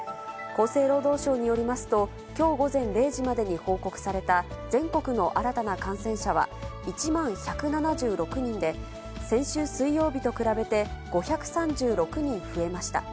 厚生労働省によりますと、きょう午前０時までに報告された全国の新たな感染者は、１万１７６人で、先週水曜日と比べて５３６人増えました。